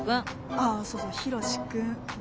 ああそうそうヒロシ君。